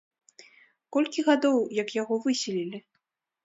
Колькі гадоў як яго выселілі?